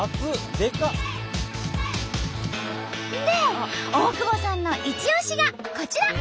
で大久保さんのいち押しがこちら。